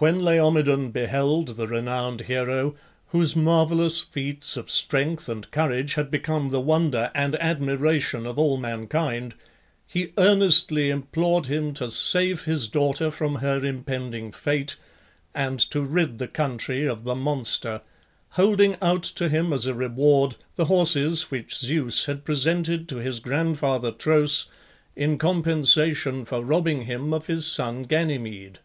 When Laomedon beheld the renowned hero, whose marvellous feats of strength and courage had become the wonder and admiration of all mankind, he earnestly implored him to save his daughter from her impending fate, and to rid the country of the monster, holding out to him as a reward the horses which Zeus had presented to his grandfather Tros in compensation for robbing him of his son Ganymede.